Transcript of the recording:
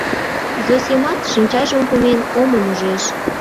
Зосимат, шинчажым кумен, омым ужеш.